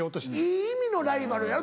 いい意味のライバルやろ？